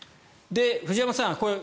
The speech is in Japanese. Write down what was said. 藤山さん